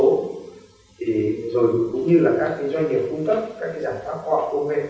rồi cũng như là các doanh nghiệp phung tập các giải pháp khoa học công nghệ